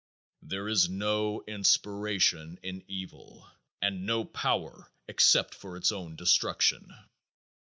There is no inspiration in evil and no power except for its own destruction.